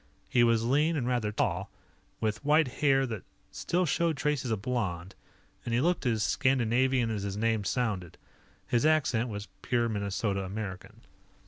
He was lean and rather tall, with white hair that still showed traces of blond, and he looked as Scandinavian as his name sounded. His accent was pure Minnesota American.